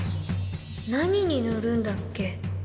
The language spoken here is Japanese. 何に乗るんだっけ？